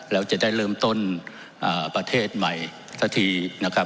แล้วจะได้เริ่มต้นประเทศใหม่สักทีนะครับ